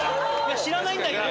知らないんだけど。